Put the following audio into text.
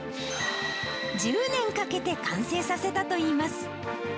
１０年かけて完成させたといいます。